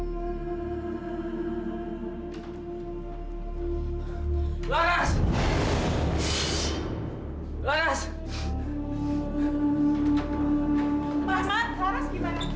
rom gimana yudi